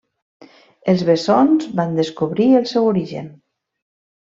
Els bessons van descobrir el seu origen.